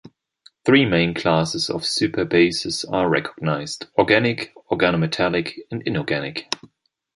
Three main classes of superbases are recognized: organic, organometallic and inorganic.